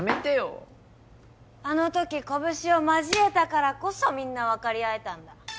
あの時拳を交えたからこそみんなわかり合えたんだ。